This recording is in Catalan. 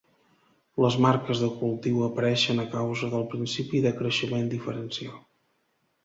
Les marques de cultiu apareixen a causa del principi de creixement diferencial.